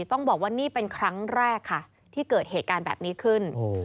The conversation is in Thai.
ต้องบอกว่านี่เป็นครั้งแรกค่ะที่เกิดเหตุการณ์แบบนี้ขึ้น